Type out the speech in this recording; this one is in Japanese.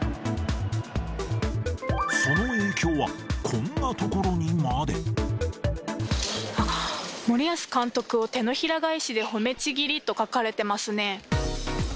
その影響は、こんなところにあっ、森保監督を、手のひら返しで褒めちぎりと書かれてますね。